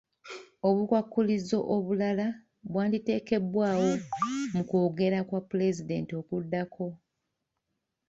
Obukwakkulizo obulala bwanditeekebwawo mu kwogera kwa pulezidenti okuddako.